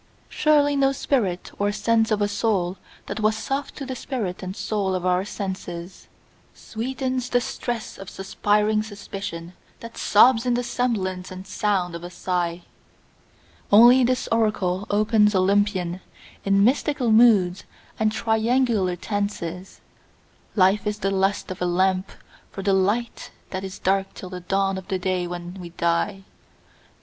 Surely no spirit or sense of a soul that was soft to the spirit and soul of our senses Sweetens the stress of suspiring suspicion that sobs in the semblance and sound of a sigh; Only this oracle opens Olympian, in mystical moods and triangular tenses "Life is the lust of a lamp for the light that is dark till the dawn of the day when we die."